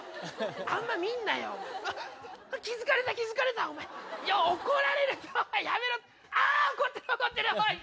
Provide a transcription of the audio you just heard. あんま見んなよ。気付かれた、気付かれた、お前、怒られる、お前、やめろ、あー、怒ってる、怒ってる。